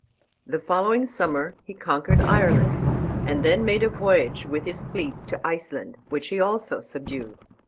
The following summer he conquered Ireland, and then made a voyage with his fleet to Iceland, which he also subdued.